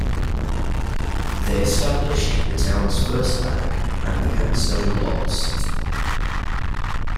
They established the town's first bank and began selling lots.